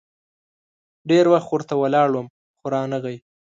ډېر وخت ورته ولاړ وم ، خو رانه غی.